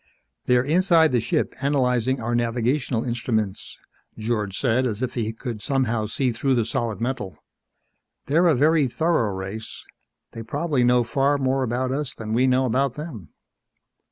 "They're inside the ship analyzing our navigational instruments," George said as if he could somehow see through the solid metal. "They're a very thorough race. They probably know far more about us than we know about them."